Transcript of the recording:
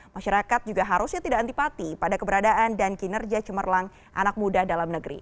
masyarakat juga harusnya tidak antipati pada keberadaan dan kinerja cemerlang anak muda dalam negeri